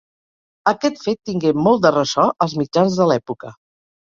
Aquest fet tingué molt de ressò als mitjans de l'època.